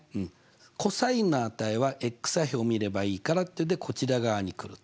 ｃｏｓの値は座標を見ればいいからっていうんでこちら側に来ると。